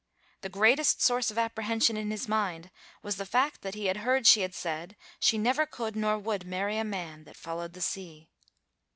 The greatest source of apprehension in his mind was the fact, that he heard she had said, she never could, nor would, marry a man that followed the sea.